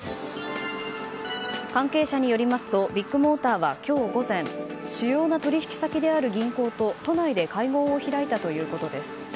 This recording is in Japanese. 関係者によりますとビッグモーターは今日午前主要な取引先である銀行と都内で会合を開いたということです。